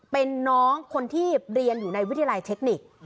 เป็นน้องคนที่เรียนอยู่ในวิทยาลัยเทคนิค